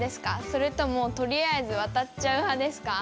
それともとりあえずわたっちゃう派ですか？